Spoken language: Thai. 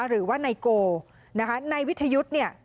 หรือว่านายโกนะคะนายวิทยุทธ์เนี่ย